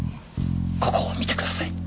ここを見てください。